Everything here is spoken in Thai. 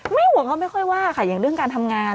ห่วงเขาไม่ค่อยว่าค่ะอย่างเรื่องการทำงาน